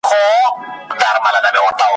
خو بلوړ که مات سي ډیري یې ټوټې وي `